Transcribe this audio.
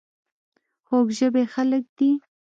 خوږ ژبې خلک دي .